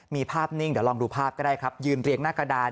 มีภาพนิ่งเดี๋ยวลองดูภาพก็ได้ครับยืนเรียงหน้ากระดาน